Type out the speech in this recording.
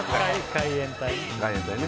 海援隊ね